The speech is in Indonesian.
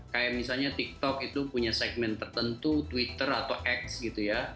kayak misalnya tiktok itu punya segmen tertentu twitter atau x gitu ya